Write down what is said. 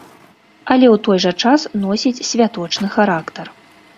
Але ў той жа час носіць святочны характар.